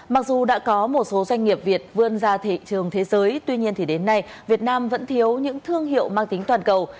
mặc dù đã có một số doanh nghiệp việt vươn ra thị trường thế giới tuy nhiên thì đến nay việt nam vẫn thiếu những thương hiệu mang tính toàn cầu